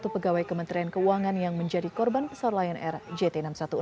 dua puluh satu pegawai kementerian keuangan yang menjadi korban besar lain rjt enam ratus sepuluh